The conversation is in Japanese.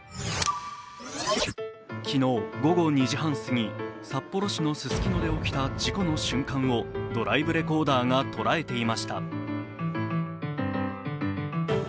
昨日午後２時半すぎ、札幌市のススキノで起きた事故の瞬間をドライブレコーダーが捉えていました。